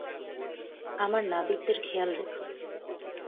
আমার নাবিকদের খেয়াল রেখো।